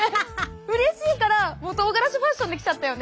うれしいからもうとうがらしファッションで来ちゃったよね。